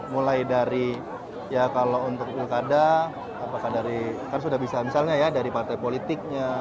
mulai dari ya kalau untuk pilkada apakah dari kan sudah bisa misalnya ya dari partai politiknya